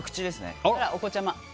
あら、お子ちゃま。